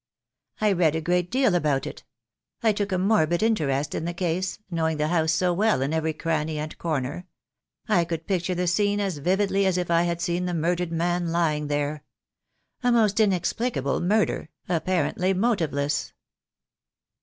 "I read a great deal about it. I took a morbid interest in the case, knowing the house so well in every cranny and corner. I could picture the scene as vividly as if I had seen the murdered man lying there. A most inexplicable murder, apparently motiveless."